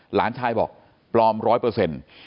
หลานชายบอกปลอมร้อยเปอร์เซ็นต์